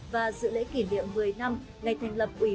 và dự lễ kỷ niệm một mươi năm ngày thành lập ủy